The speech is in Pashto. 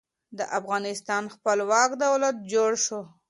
د افغانستان خپلواک دولت جوړ شو.